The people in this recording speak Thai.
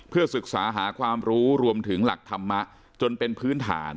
เพื่อศึกษาหาความรู้รวมถึงหลักธรรมะจนเป็นพื้นฐาน